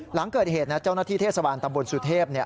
หลังเกิดเหตุเจ้าหน้าที่เทศวรรณตำบลสุทธิพย์